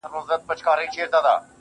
هغې ويل ه ځه درځه چي کلي ته ځو~